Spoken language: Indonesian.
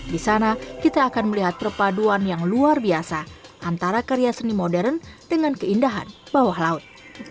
di sana kita akan melihat perpaduan yang luar biasa antara karya seni modern dengan keindahan bawah laut